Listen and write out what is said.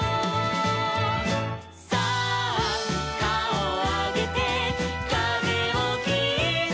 「さあかおをあげてかぜをきって」